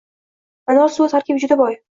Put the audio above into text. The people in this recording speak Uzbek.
Anor suvi tarkibi juda boy.